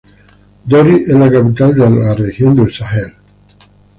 Dori es la capital de la región del Sahel.